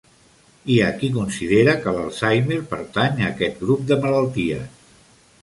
Hi ha qui considera que l'Alzheimer pertany a aquest grup de malalties.